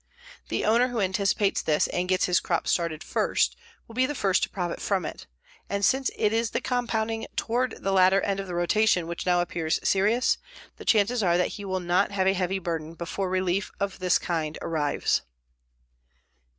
The owner who anticipates this and gets his crop started first will be the first to profit from it, and since it is the compounding toward the latter end of the rotation which now appears serious, the chances are that he will not have a heavy burden before relief of this kind arrives.